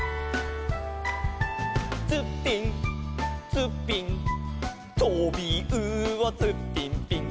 「ツッピンツッピン」「とびうおツッピンピン」